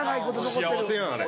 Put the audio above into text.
幸せやんあれ。